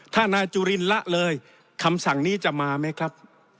ถ้านายจุลินละเลยคำสั่งนี้จะมาไหมครับ